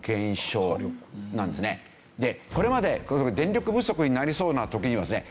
これまで電力不足になりそうな時にはですね